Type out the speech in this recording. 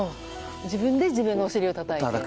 自分で自分のおしりをたたいて。